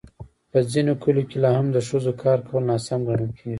په ځینو کلیو کې لا هم د ښځو کار کول ناسم ګڼل کېږي.